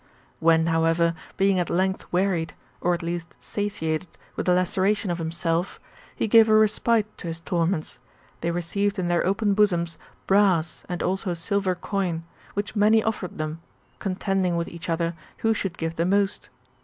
When, however, being at lengtlh wearied, or at least satiated with the laceration of himself, he gave a respite to his torments, they received in tlieir open bosoms brass and also silver coin, which many offered them, contending with each other who should give the most.